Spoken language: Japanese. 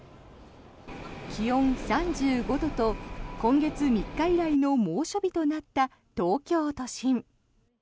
気温３５度と今月３日以来の猛暑日となった東京都心。